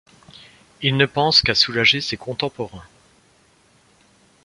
Il ne pense qu'à soulager ses contemporains.